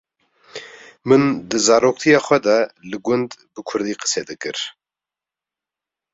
Min di zaroktiya xwe de li gund bi Kurdî qise dikir.